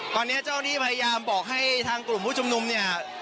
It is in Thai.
ตอนนี้เจ้าที่พยายามบอกให้ทางกลุ่มผู้ชุมนุมเนี่ย